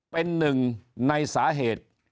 เป็นหนึ่งในสาเหตุ